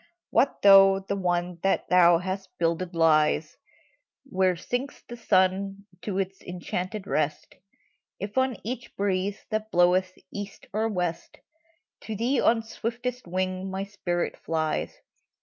What though the one that thou hast builded lies Where sinks the sun to its enchanted rest. If, on each breeze that bloweth east or west, To thee, on swiftest wing, my spirit flies